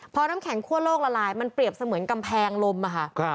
พอน้ำแข็งคั่วโลกละลายมันเปรียบเสมือนกำแพงลมอะค่ะ